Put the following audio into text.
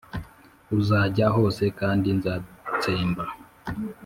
Uzajya hose kandi nzatsemba